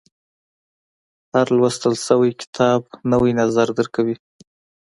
• هر لوستل شوی کتاب، نوی نظر درکوي.